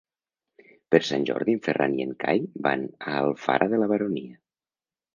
Per Sant Jordi en Ferran i en Cai van a Alfara de la Baronia.